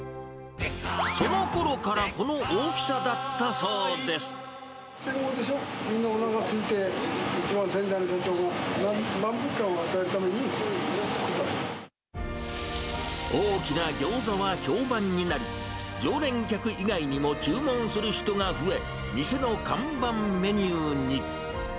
そのころからこの大きさだったそ戦後でしょ、みんな、おなかすいて、うちの先代の社長が、大きなギョーザは評判になり、常連客以外にも注文する人が増え、店の看板メニューに。